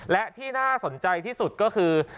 และที่น่าสนใจที่สุดก็คือ